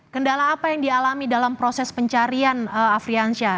kendala apa yang dialami dalam proses pencarian afriansyah